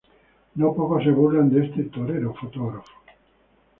No pocos se burlan de este "torero-fotógrafo".